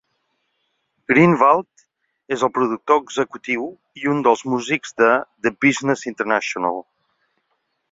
Greenwald és el productor executiu i un dels músics de The Business International.